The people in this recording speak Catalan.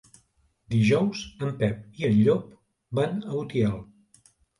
Dijous en Pep i en Llop van a Utiel.